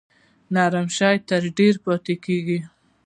نرم شی تر ډیره پاتې کیږي.